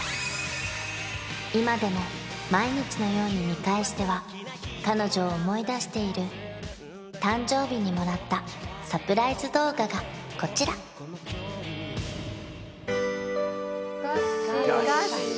今でも毎日のように見返しては彼女を思い出している誕生日にもらったサプライズ動画がこちら「がっしー」